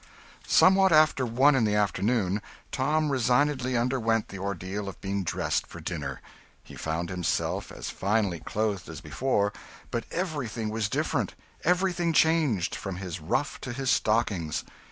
Somewhat after one in the afternoon, Tom resignedly underwent the ordeal of being dressed for dinner. He found himself as finely clothed as before, but everything different, everything changed, from his ruff to his stockings.